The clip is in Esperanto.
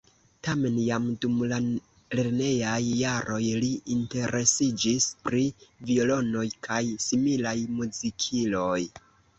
Tamen jam dum la lernejaj jaroj li interesiĝis pri violonoj kaj similaj muzikiloj.